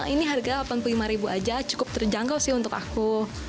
ini harga rp delapan puluh lima ribu aja cukup terjangkau sih untuk aku